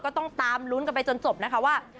ก็ต้องตามลุ้นกันไปจนจบนะคะว่า